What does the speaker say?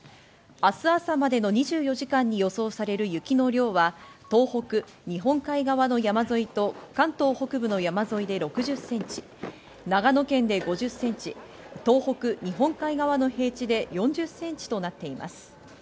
明日朝までの２４時間に予想される雪の量は東北、日本海側の山沿いと関東北部の山沿いで６０センチ、長野県で５０センチ、東北、日本海側の平地で４０センチとなっています。